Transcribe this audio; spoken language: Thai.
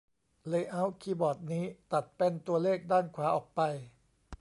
เลย์เอาต์คีย์บอร์ดนี้ตัดแป้นตัวเลขด้านขวาออกไป